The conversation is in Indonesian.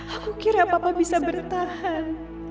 aku kira papa bisa bertahan